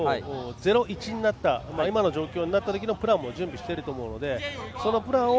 ０−１になった今の状況になったときのプランも準備していると思うのでそのプランを